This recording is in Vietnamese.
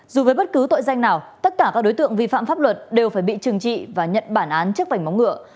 dù với bất cứ tội danh nào tất cả các đối tượng vi phạm pháp luật đều phải bị trừng trị và nhận bản án trước vảnh móng ngựa